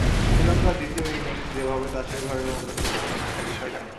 শ্রীলঙ্কার দ্বিতীয় ইনিংস যেভাবে তাসের ঘরের মতো ধসে পড়ল, সেটি খানিকটা বিস্ময়-জাগানিয়া।